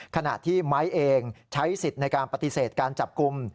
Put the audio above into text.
ขณะที่ไม้เองใช้สิทธิ์ในการปฏิเสธการจับกลุ่ม